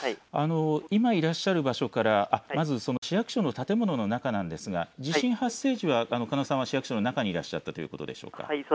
今、いらっしゃる場所からまず市役所の建物の中ですが地震発生時は下野さんは市役所の中にいらっしゃったということでしょうか。